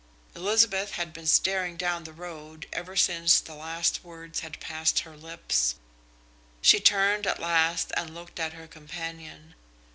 Elizabeth had been staring down the road ever since the last words had passed her lips. She turned at last and looked at her companion.